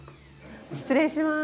失礼します。